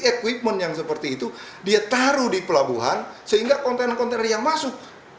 equipment yang seperti itu dia taruh di pelabuhan sehingga konten konten yang masuk